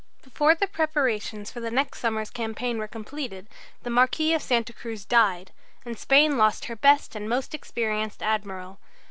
Before the preparations for the next summer's campaign were completed the Marquis of Santa Cruz died, and Spain lost her best and most experienced admiral.